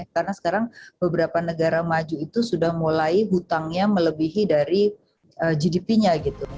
karena sekarang beberapa negara maju itu sudah mulai hutangnya melebihi dari gdp nya